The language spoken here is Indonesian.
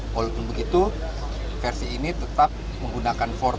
walaupun begitu versi ini tetap menggunakan empat x empat